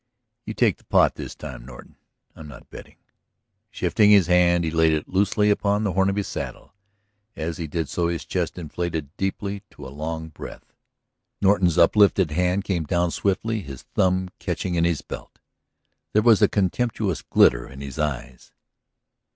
... You take the pot this time, Norton; I'm not betting." Shifting his hand he laid it loosely upon the horn of his saddle. As he did so his chest inflated deeply to a long breath. Norton's uplifted hand came down swiftly, his thumb catching in his belt. There was a contemptuous glitter in his eyes.